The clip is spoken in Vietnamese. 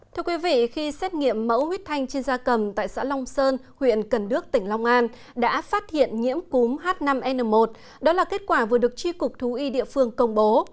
thưa quý vị khi xét nghiệm mẫu huyết thanh trên da cầm tại xã long sơn huyện cần đước tỉnh long an đã phát hiện nhiễm cúm h năm n một đó là kết quả vừa được tri cục thú y địa phương công bố